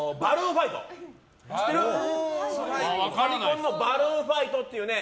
ファミコンの「バルーンファイト」っていうね